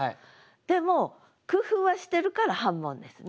でも工夫はしてるから半ボンですね。